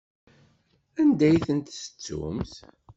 Anda ay tent-tettumt?